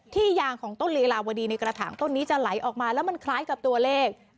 ยางของต้นลีลาวดีในกระถางต้นนี้จะไหลออกมาแล้วมันคล้ายกับตัวเลข